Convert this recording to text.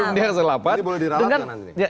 ini boleh diralatkan nanti